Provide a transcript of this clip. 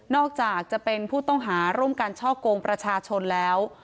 อกจากจะเป็นผู้ต้องหาร่วมการช่อกงประชาชนแล้ว